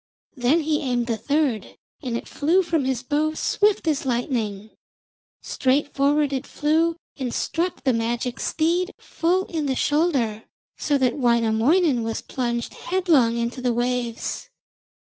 Then he aimed the third, and it flew from his bow swift as lightning. Straight forward it flew, and struck the magic steed full in the shoulder so that Wainamoinen was plunged headlong into the waves.